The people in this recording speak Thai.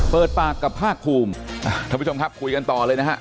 เปิดปากกับภาคภูมิท่านผู้ชมครับคุยกันต่อเลยนะฮะ